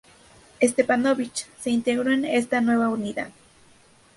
Stepanović se integró en esta nueva unidad.